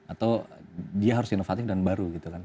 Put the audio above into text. atau dia harus inovatif dan baru gitu kan